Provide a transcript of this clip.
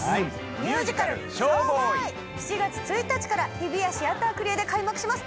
ミュージカル『ＳＨＯＷＢＯＹ』７月１日から日比谷シアタークリエで開幕します。